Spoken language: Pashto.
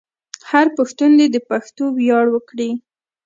هر پښتون دې د پښتو ویاړ وکړي.